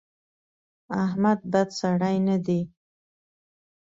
احمد بد سړی نه دی.